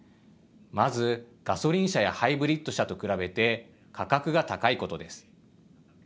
まず、ガソリン車やハイブリッド車と比べて価格が高いことです。